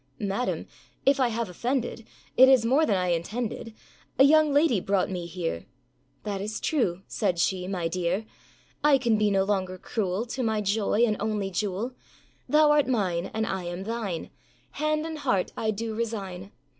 â âMadam! if I have offended, It is more than I intended; A young lady brought me here:ââ âThat is true,â said she, âmy dear. âI can be no longer cruel To my joy, and only jewel; Thou art mine, and I am thine, Hand and heart I do resign!